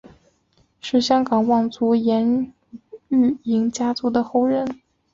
是香港望族颜玉莹家族的后人。